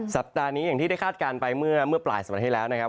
สัปดาห์นี้อย่างที่ได้คาดการณ์ไปเมื่อปลายสัปดาห์ที่แล้วนะครับ